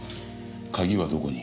鍵はどこに？